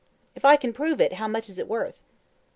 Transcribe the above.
"If I can prove it, how much is it worth?"